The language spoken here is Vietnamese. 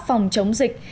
phòng chống dịch